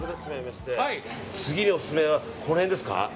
次のオススメはこの辺ですか？